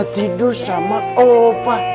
renna tidur sama opah